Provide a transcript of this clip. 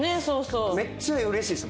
めっちゃうれしいです。